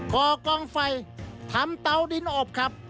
กองไฟทำเตาดินอบครับ